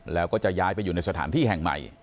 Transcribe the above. แล้วก็จะย้ายไปอยู่ในสถานที่แห่งใหม่